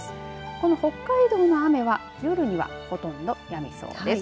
この北海道の雨は夜にはほとんどやみそうです。